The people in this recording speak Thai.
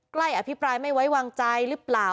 อภิปรายไม่ไว้วางใจหรือเปล่า